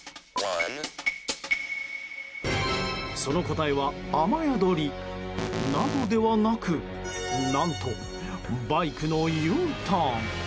その答えは雨宿り！などではなく何と、バイクのＵターン。